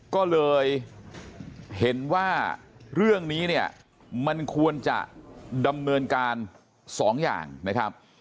ก็เลยเห็นว่าเรื่องนี้เนี่ยมันควรจะดำเนินการสองอย่างนะครับ